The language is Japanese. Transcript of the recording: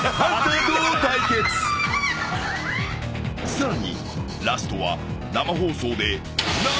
［さらに］